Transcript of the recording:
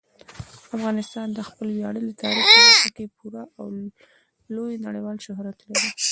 افغانستان د خپل ویاړلي تاریخ په برخه کې پوره او لوی نړیوال شهرت لري.